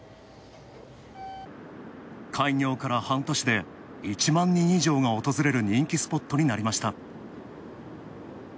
開業から半年で、１万人以上が訪れる人気スポットになりました。